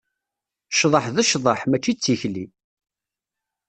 Cḍeh d ccḍeḥ, mačči d tikli.